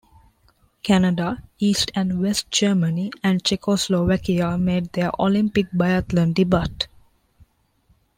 Canada, East and West Germany and Czechoslovakia made their Olympic biathlon debut.